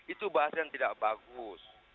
itu bahasanya tidak bagus